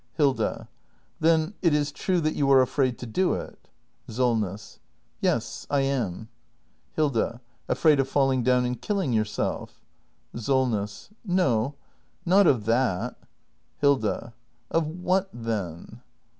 Hilda. Then it is true that you are afraid to do it ? Solness. Yes, I am. Hilda. Afraid of falling down and killing yourself ? Solness. No, not of that. Hilda. Of what, then